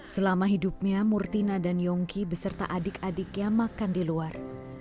selama hidupnya murtina dan yongki beserta adik adiknya makan di luar